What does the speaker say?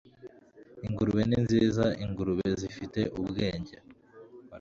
ingurube ni nziza. ingurube zifite ubwenge